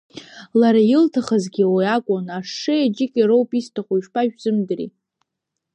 Лара илҭахызгьы уи акәын, ашшеи аџьыкеи роуп исҭаху, ишԥашәзымдыри?!